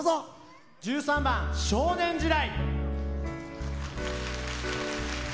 １３番「少年時代」。